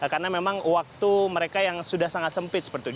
karena memang waktu mereka yang sudah sangat sempit seperti itu